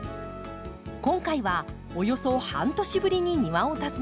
今回はおよそ半年ぶりに庭を訪ね観察します。